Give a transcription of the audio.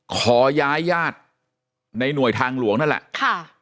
ขอย้ายญาติในหน่วยทางหลวงนั่นแหละค่ะ